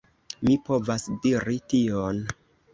Mi povas diri tion.